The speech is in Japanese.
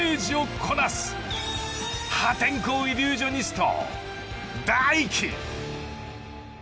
［破天荒イリュージョニスト］